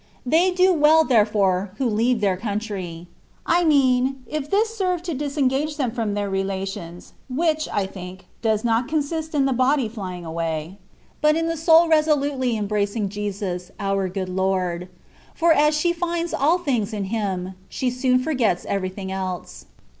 They do well, therefore, who leave their country : I mean, if this serve to disengage them from their relations, which, I think, does not consist in the body flying away, but in the soul resolutely embracing Jesus, our good Lord ; for as she finds all things in Him, she soon forgets everything else.